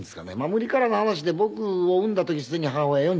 無理からぬ話で僕を生んだ時すでに母親４２歳。